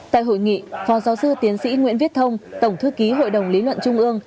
tại hội nghị phó giáo sư tiến sĩ nguyễn viết thông tổng thư ký hội đồng lý luận trung ương